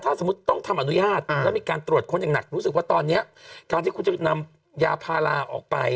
ถ้าสมมุติต้องทำอนุญาตแล้วมีการตรวจค้นอย่างหนักรู้สึกว่าตอนนี้การที่คุณจะนำยาพาราออกไป